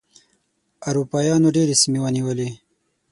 اروپایانو ډېرې سیمې ونیولې.